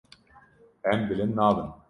Em bilind nabin.